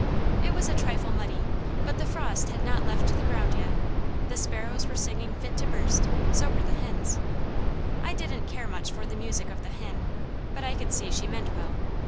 It was a trifle muddy, but the frost had not left the ground yet, the sparrows were singing fit to burst, so were the hens. I didn't care much for the music of the hen, but I could see she meant well.